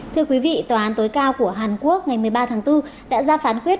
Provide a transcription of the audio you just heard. thưa quý vị tòa án tối cao của hàn quốc ngày một mươi ba tháng bốn đã ra phán quyết